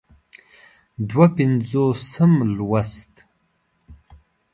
دوه پينځوسم لوست